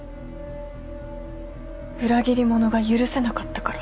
裏切り者が許せなかったから。